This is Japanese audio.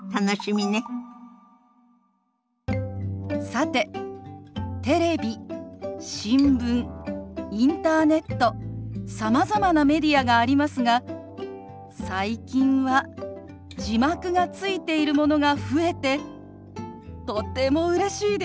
さてテレビ新聞インターネットさまざまなメディアがありますが最近は字幕がついているものが増えてとてもうれしいです。